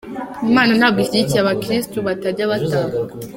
Imana ntabwo ishyigikiye abakirisitu batajya batanga.